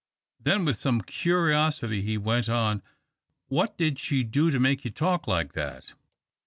Then with some curiosity he went on, "What did she do to make you talk like that?"